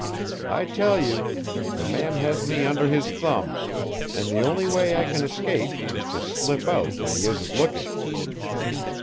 I tell you, the man has me under his thumb, and the only way I can escape is to slip out when he isn't looking.